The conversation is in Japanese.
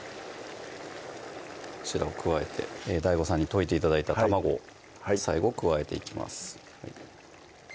こちらを加えてＤＡＩＧＯさんに溶いて頂いた卵を最後加えていきます